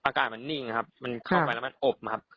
อากาศมันนิ่งครับมันเข้าไปแล้วมันอบครับ